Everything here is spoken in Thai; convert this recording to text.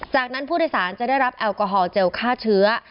จากนั้นผู้โดยสารจะได้รับแอลกอฮอลเจลฆ่าเชื้อ